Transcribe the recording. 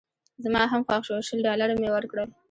زما هم خوښ شو شل ډالره مې ورکړل.